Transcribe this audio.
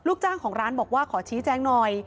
จ้างของร้านบอกว่าขอชี้แจงหน่อย